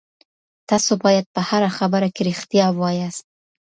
تاسو باید په هره خبره کي ریښتیا ووایاست.